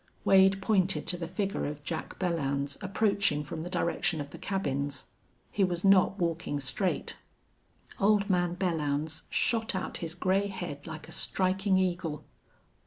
Wade pointed to the figure of Jack Belllounds approaching from the direction of the cabins. He was not walking straight. Old man Belllounds shot out his gray head like a striking eagle.